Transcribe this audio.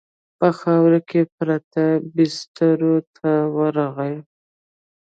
په خاورو کې پرتو بسترو ته ورغی.